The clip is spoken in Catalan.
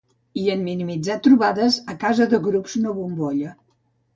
I en minimitzar trobades a casa de grups no bombolla.